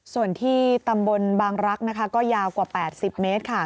ส่วนที่ตำบลบางรักนะคะก็ยาวกว่า๘๐เมตรค่ะ